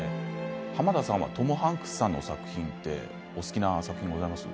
濱田さんはトム・ハンクスさんの作品でお好きな作品ございますか。